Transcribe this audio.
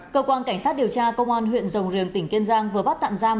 cơ quan cảnh sát điều tra công an huyện rồng riềng tỉnh kiên giang vừa bắt tạm giam